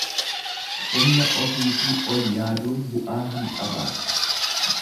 Humna ofiitii ol yaaduun bu'aa hin qabaatu.